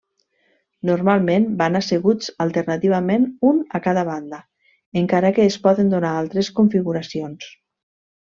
Normalment van asseguts alternativament un a cada banda, encara que es poden donar altres configuracions.